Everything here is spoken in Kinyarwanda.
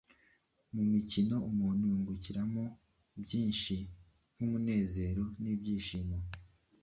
Mu mikino umuntu yakungukiramo byinshi nk’umunezero n’ibyishimo.